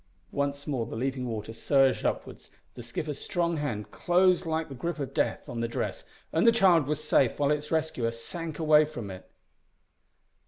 Once more the leaping water surged upwards; the skipper's strong hand closed like the grip of death on the dress, and the child was safe while its rescuer sank away from it.